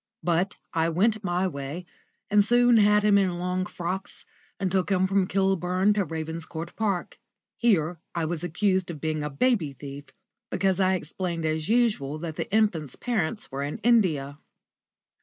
But I went my way, and soon had him in long frocks, and took him from Kilburn to Ravenscourt Park. Here I was accused of being a baby thief, because I explained as usual that the infant's parents were in India.